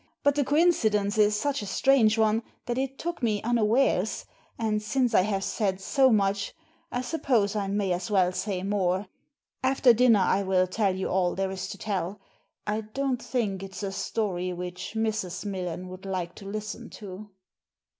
But the coincidence is such a strange one that it took me unawares, and since I have said so much I suppose I may as well say more. After dinner I will tell you all there is to tell. I don't think it's a story which Mrs. Millen would like to listen to."